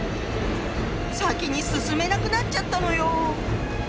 先に進めなくなっちゃったのよ！